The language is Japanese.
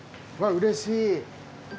うれしい。